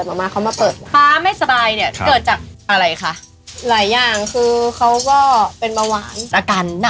แต่ไม่เคยคิดว่าจ่ะจะต้องกลับมาผัดข้าง